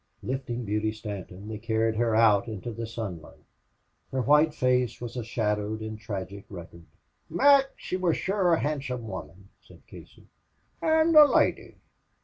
Lifting Beauty Stanton, they carried her out into the sunlight. Her white face was a shadowed and tragic record. "Mac, she wor shure a handsome woman," said Casey, "an' a loidy."